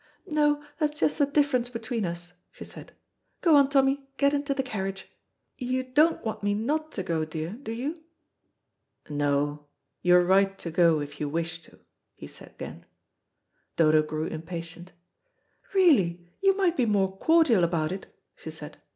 "No, that's just the difference between us," she said. "Go on, Tommy, get into the carriage. You don't want me not to go, dear, do you?" "No, you are right to go, if you wish to," he said again. Dodo grew impatient. "Really, you might be more cordial about it," she said.